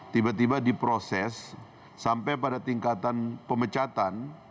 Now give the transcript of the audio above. tiba tiba diproses sampai pada tingkatan pemecatan